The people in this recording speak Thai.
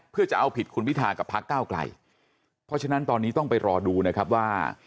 เพื่อจะเอาผิดคุณพิธากับพักก้าวไกลเพราะฉะนั้นตอนนี้ต้องไปรอดูนะครับว่า